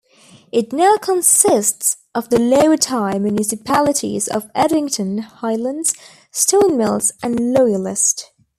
It now consists of the lower-tier municipalities of Addington Highlands, Stone Mills, and Loyalist.